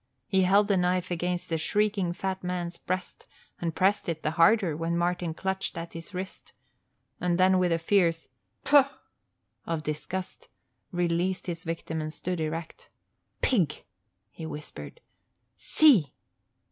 He held the knife against the shrieking fat man's breast and pressed it the harder when Martin clutched at his wrist, then with a fierce "Pfaw!" of disgust released his victim and stood erect. "Pig!" he whispered. "See!"